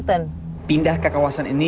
dia tidak bisa berada di kawasan ini